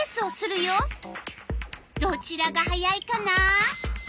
どちらが速いかな？